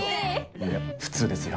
いや普通ですよ。